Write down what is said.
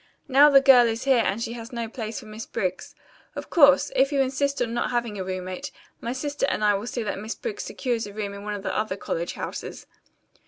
Now the girl is here and she has no place for Miss Briggs. Of course, if you insist on not having a roommate, my sister and I will see that Miss Briggs secures a room in one of the other college houses."